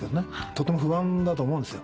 とても不安だと思うんですよ。